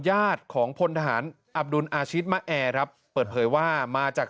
ญาติของพลทหารอับดุลอาชิตมะแอร์ครับเปิดเผยว่ามาจาก